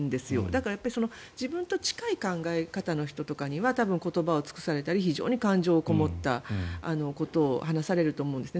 だから自分と近い考え方の人とかには多分言葉を尽くされたり非常に感情がこもったことを話されると思うんです。